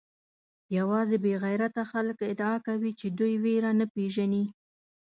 یوازې بې غیرته خلک ادعا کوي چې دوی بېره نه پېژني.